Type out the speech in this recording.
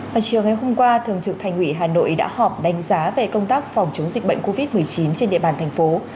vào chiều ngày hôm qua thường trực thành ủy hà nội đã họp đánh giá về công tác phòng chống dịch bệnh covid một mươi chín trên địa bàn thành phố